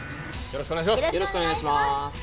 よろしくお願いします。